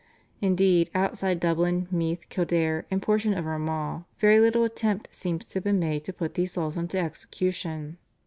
Indeed outside Dublin, Meath, Kildare, and portion of Armagh very little attempt seems to have been made to put these laws into execution.